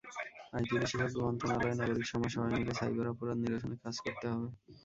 IT বিশেষজ্ঞ, মন্ত্রণালয়, নাগরিক সমাজ—সবাই মিলে সাইবার অপরাধ নিরসনে কাজ করতে হবে।